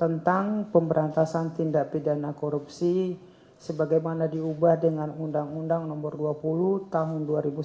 atau pasal enam ayat satu huruf a atau pasal tiga belas undang undang nomor tiga puluh satu tahun seribu sembilan ratus sembilan puluh sembilan